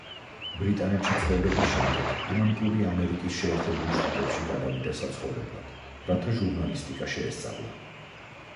ბრიტანეთში ცხოვრების შემდეგ ამანპური ამერიკის შეერთებულ შტატებში გადავიდა საცხოვრებლად, რათა ჟურნალისტიკა შეესწავლა.